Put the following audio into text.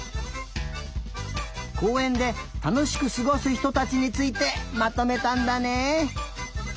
こうえんでたのしくすごすひとたちについてまとめたんだね。